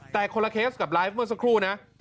แต่คนละเคสกับไลฟ์เมื่อสักครู่นะ